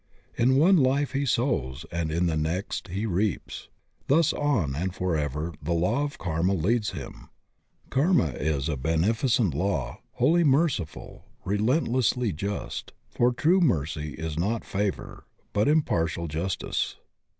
In one life he sows and in the next he reaps. Thus on and forever, the law of Karma leads Imn. Karma is a beneficent law wholly merciful, relent lessly just, for true mercy is not favor but impartial justice.